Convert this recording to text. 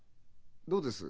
どうです？